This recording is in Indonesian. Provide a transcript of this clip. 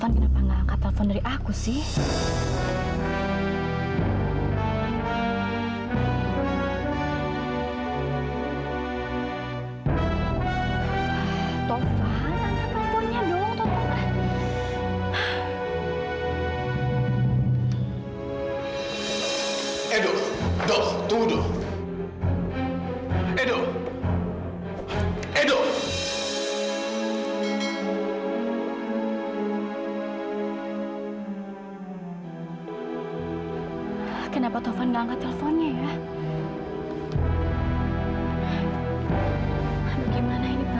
sampai jumpa di video selanjutnya